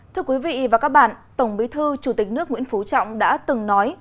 thưa quý vị và các bạn tổng bí thư chủ tịch nước nguyễn phú trọng đã từng nói